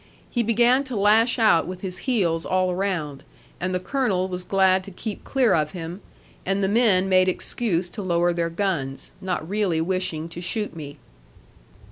He began to lash out with his heels all around, and the Colonel was glad to keep clear of him; and the men made excuse to lower their guns, not really wishing to shoot me.